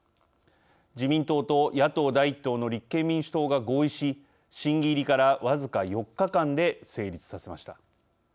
自民党と野党第一党の立憲民主党が合意し審議入りから僅か４日間で成立させました。